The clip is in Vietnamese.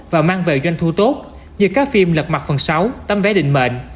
và mang về doanh thu tốt như các phim lật mặt phần sáu tấm vé định mệnh